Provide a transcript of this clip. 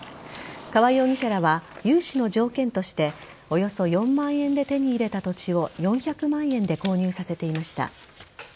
河合容疑者らは融資の条件としておよそ４万円で手に入れた土地を４００万円で購入させていました。